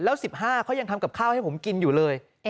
แล้ว๑๕เขายังทำกับข้าวให้ผมกินอยู่เลย